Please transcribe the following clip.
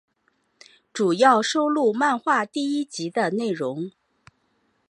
主要收录漫画第一集的内容。